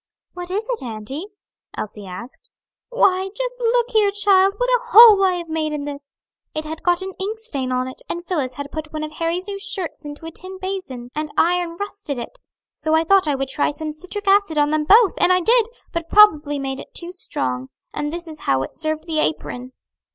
"What is it, auntie?" Elsie asked. "Why, just look here, child, what a hole I have made in this! It had got an ink stain on it, and Phillis had put one of Harry's new shirts into a tin basin, and iron rusted it; so I thought I would try some citric acid on them both; and I did; but probably made it too strong, and this is how it served the apron."